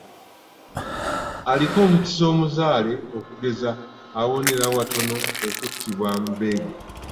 Aliko omukisa omuzaale okugeza awonera watono okuttibwa Mbego.